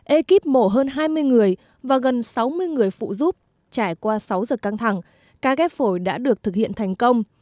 ekip mổ hơn hai mươi người và gần sáu mươi người phụ giúp trải qua sáu giờ căng thẳng ca ghép phổi đã được thực hiện thành công